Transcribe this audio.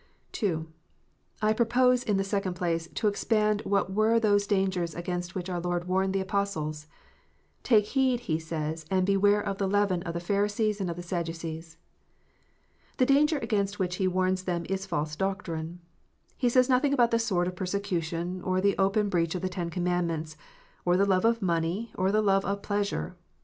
I propose, in the second place, to explain what were those dangers against which our Lord warned the Apostles. "Take heed," He says, "and beware of the leaven of the Pharisees and of the Sadducees." The danger against which He warns them is false doctrine. He says nothing about the sword of persecution, or the open breach of the Ten Commandments, or the love of money, or the love of pleasure.